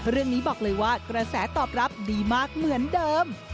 เรื่องนี้บอกเลยว่ากระแสตอบรับดีมากเหมือนเดิม